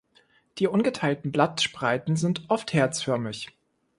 Die ungeteilten Blattspreiten sind oft herzförmig.